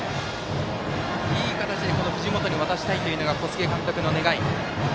いい形で藤本に渡したいというのが小菅監督の願い。